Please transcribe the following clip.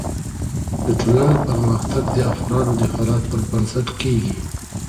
د ټولني پرمختګ د افرادو د حالت پر بنسټ کیږي.